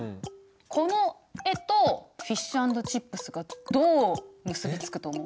この絵とフィッシュ＆チップスがどう結び付くと思う？